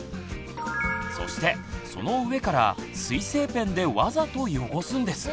そしてその上から水性ペンでわざと汚すんです。